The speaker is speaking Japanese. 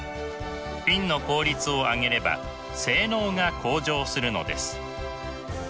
フィンの効率を上げれば性能が向上するのです。